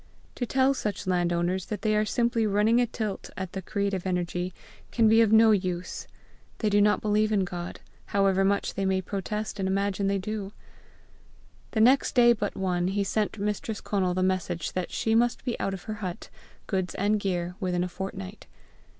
To tell such land owners that they are simply running a tilt at the creative energy, can be of no use: they do not believe in God, however much they may protest and imagine they do. The next day but one, he sent Mistress Conal the message that she must be out of her hut, goods and gear, within a fortnight.